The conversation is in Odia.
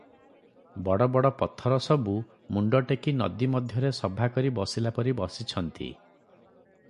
ବଡ଼ ବଡ଼ ପଥର ସବୁ ମୁଣ୍ଡ ଟେକି ନଦୀମଧ୍ୟରେ ସଭା କରି ବସିଲା ପରି ବସିଛନ୍ତି ।